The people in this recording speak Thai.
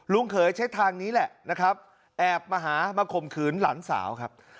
ลุงเขยใช้ทางนี้แหละแอบมาหามาขมขืนหลานสาวครับ